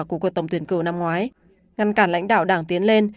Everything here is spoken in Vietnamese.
của cuộc tổng tuyển cử năm ngoái ngăn cản lãnh đạo đảng tiến lên